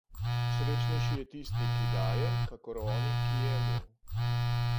Srečnejši je tisti, ki daje, kakor oni, ki jemlje.